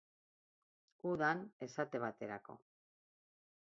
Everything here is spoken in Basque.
Udan, esate baterako.